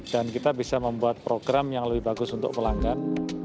dan kita bisa membuat program yang lebih bagus untuk pelanggan